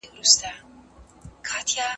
سیاسي استازي د خپلو هیوادونو پیغامونه رسوي.